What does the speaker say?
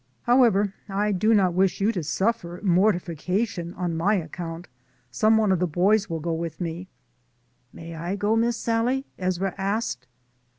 However, I do not wish you to suffer morti fication on my account, some one of the boys will go with me." "May I go. Miss Sallie?" Ezra asked.